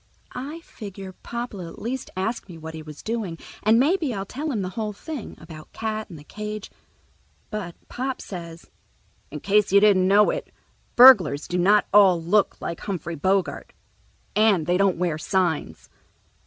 I figure Pop'll at least ask me what he was doing, and maybe I'll tell him the whole thing—about Cat and the cage. But Pop says, "In case you didn't know it, burglars do not all look like Humphrey Bogart, and they don't wear signs."